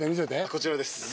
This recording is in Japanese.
こちらです。